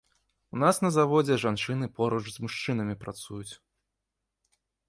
У нас на заводзе жанчыны поруч з мужчынамі працуюць.